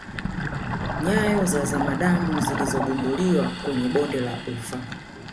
Nyayo za zamadamu zilizogunduliwa kwenye bonde la ufa